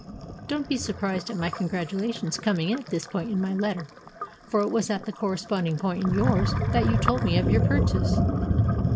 Don't be surprised at my congratulations coming in at this point in my letter, for it was at the corresponding point in yours that you told me of your purchase.